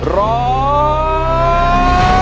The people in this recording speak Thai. ร้อง